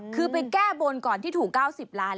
คือไปแก้บนก่อนที่ถูก๙๐ล้าน